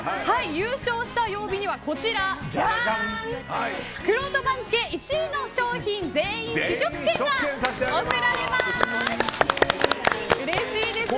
優勝した曜日にはくろうと番付１位商品全員試食券が贈られます。